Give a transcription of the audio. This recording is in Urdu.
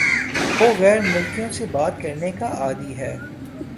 وہ غیر ملکیوں سے بات کرنے کا عادی ہے